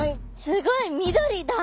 すごい緑だ！